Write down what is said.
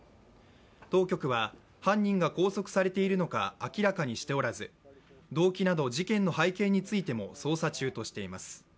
当局は、犯人が拘束されているのか明らかにしておらず動機など事件の背景についても捜査中としています。